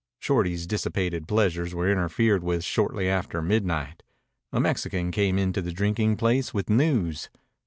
Shorty's dissipated pleasures were interfered with shortly after midnight. A Mexican came in to the drinking place with news.